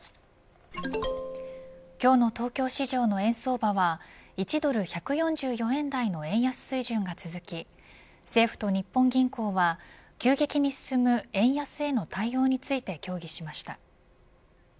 今日の東京市場の円相場は１ドル１４４円台の円安水準が続き政府と日本銀行は急激に進む円安への対応について協議しました。